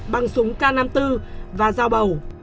băng súng k năm mươi bốn và giao bầu